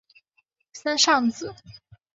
森尚子。